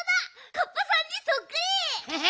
カッパさんにそっくり！ヘヘ。